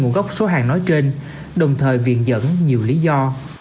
nguồn gốc số hàng nói trên đồng thời viện dẫn nhiều lý do